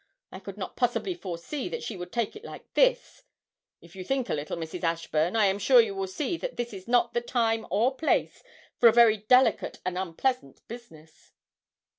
I could not possibly foresee that she would take it like this. If you think a little, Mrs. Ashburn, I am sure you will see that this is not the time or place for a very delicate and unpleasant business.'